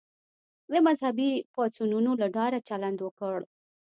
د مذهبي پاڅونونو له ډاره چلند وکړ.